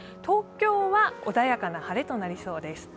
東京は穏やかな晴れとなりそうです。